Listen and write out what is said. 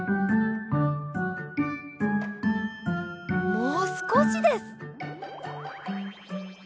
もうすこしです！